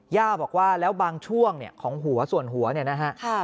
ย่าบอกว่าแล้วบางช่วงของหัวส่วนหัวเนี่ยนะฮะ